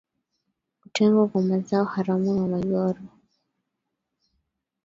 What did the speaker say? kutengwa kwa mazao haramu na migogoro